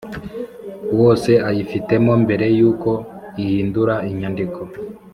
wose ayifitemo mbere y uko ihindura inyandiko